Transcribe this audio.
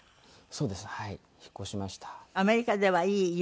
そうですね。